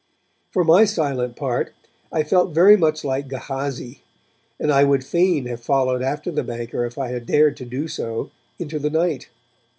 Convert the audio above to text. For my silent part, I felt very much like Gehazi, and I would fain have followed after the banker if I had dared to do so, into the night.